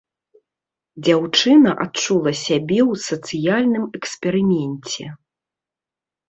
Дзяўчына адчула сябе ў сацыяльным эксперыменце.